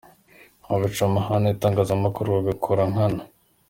Abica amahame y’itangazamakuru babikora nkana.